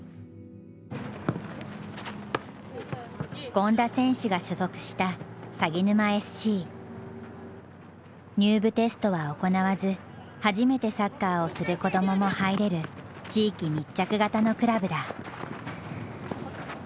権田選手が所属した入部テストは行わず初めてサッカーをする子どもも入れる地域密着型のクラブだ。